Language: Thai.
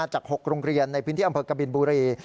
จาก๖โรงเรียนในพื้นที่อำเภอกบินบุรี